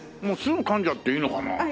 もうすぐかんじゃっていいのかな？